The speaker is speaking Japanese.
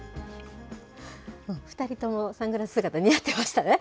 ２人ともサングラス姿、似合ってましたね。